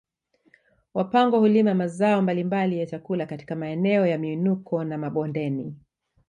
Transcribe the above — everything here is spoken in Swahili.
Wapangwa hulima mazao mbalimbali ya chakula katika maeneo ya miinuko na mabondeni